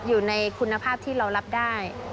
อยู่ในคุณภาพที่เรารับได้